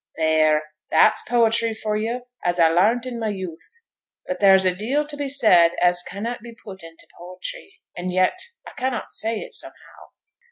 'Theere, that's po'try for yo' as I larnt i' my youth. But there's a deal to be said as cannot be put int' po'try, an' yet a cannot say it, somehow.